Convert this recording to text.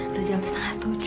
udah jam setengah tujuh